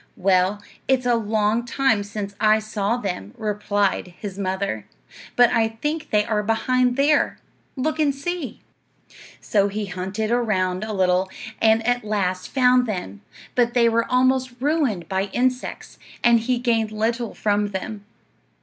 "Well, it's a long time since I saw them," replied his mother, "but I think they are behind there. Look and see." So he hunted around a little and at last found them, but they were almost ruined by insects, and he gained little from them.